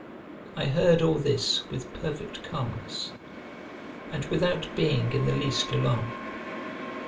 I heard all this with perfect calmness, and without being in the least alarmed.